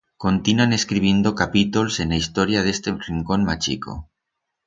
Continan escribindo capítols en a historia d'este rincón machico.